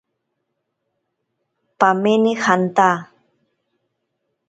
Pamene janta.